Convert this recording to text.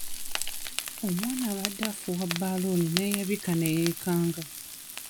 Omwana abadde afuuwa bbaaluuni n'eyabika ne yeekanga.